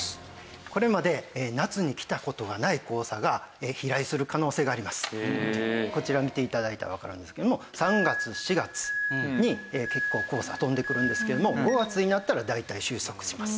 これまでこちら見て頂いたらわかるんですけれども３月４月に結構黄砂が飛んでくるんですけども５月になったら大体収束します。